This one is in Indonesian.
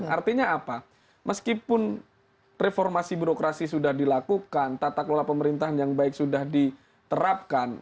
artinya apa meskipun reformasi birokrasi sudah dilakukan tata kelola pemerintahan yang baik sudah diterapkan